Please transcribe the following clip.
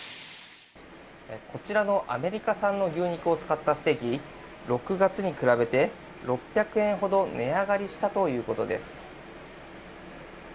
こちらのアメリカ産の牛肉を使ったステーキ６月に比べて、６００円ほど値上がりしたということです。